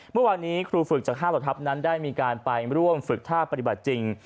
เมื่อวานนี้ครูฝึกจาก๕เหล่าทัพนั้นได้มีการไปร่วมฝึกท่าปฏิบัติจริง